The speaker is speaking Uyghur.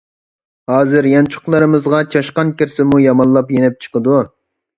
ھازىر يانچۇقلىرىمىزغا چاشقان كىرسىمۇ يامانلاپ يېنىپ چىقىدۇ.